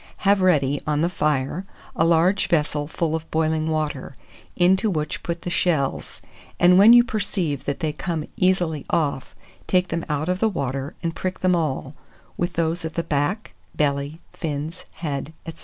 Have ready, on the fire, a large vessel full of boiling water, into which put the shells; and when you perceive that they come easily off, take them out of the water, and prick them all, with those of the back, belly, fins, head, &c.